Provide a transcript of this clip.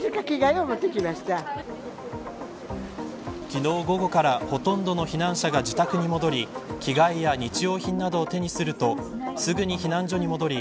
昨日、午後からほとんどの避難者が自宅に戻り着替えや日用品などを手にするとすぐに避難所に戻り